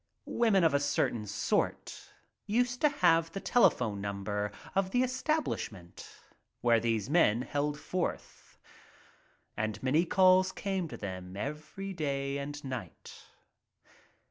Women of a certain sort used to have the telephone number of the establishment where these men held forth and many calls came to them every day and night.